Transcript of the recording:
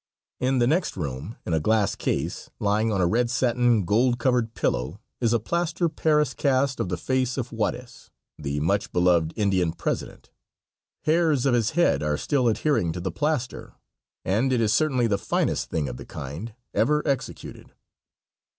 In the next room, in a glass case, lying on a red satin, gold covered pillow, is a plaster paris cast of the face of Juarez, the much beloved Indian President; hairs of his head are still adhering to the plaster, and it is certainly the finest thing of the kind ever executed.